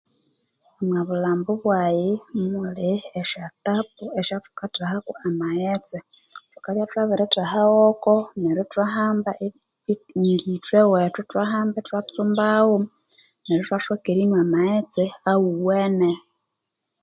Omwa bulhambu byayi muli esya tapu esyathukathehako amaghetse thukabya thwabiritheha ghoko neryo ithwahamba niryu ithwe ewethu ithwahamba ithwa tsumbagho neryo ithwathoka erinywa amaghetse aghuwene